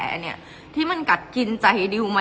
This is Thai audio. เพราะในตอนนั้นดิวต้องอธิบายให้ทุกคนเข้าใจหัวอกดิวด้วยนะว่า